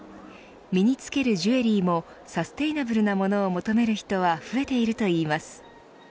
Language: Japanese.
身につけるジュエリーもサステイナブルなものを求める人は増えているといいます。